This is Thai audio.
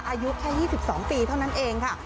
อายุแค่๒๒ปีเท่านั้นเองค่ะ